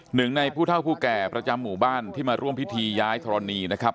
หนึ่งในผู้เท่าผู้แก่ประจำหมู่บ้านที่มาร่วมพิธีย้ายธรณีนะครับ